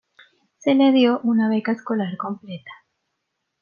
Se le dio una beca escolar completa.